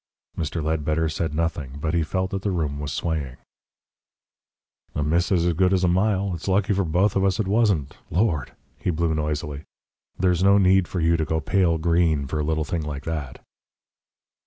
Mr. Ledbetter said nothing, but he felt that the room was swaying. "A miss is as good as a mile. It's lucky for both of us it wasn't. Lord!" He blew noisily. "There's no need for you to go pale green for a little thing like that."